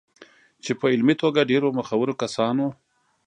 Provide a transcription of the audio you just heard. چې په علمي توګه ډېرو مخورو کسانو